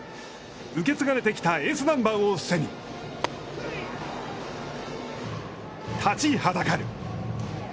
受け継がれてきたエースナンバーを背に立ちはだかる。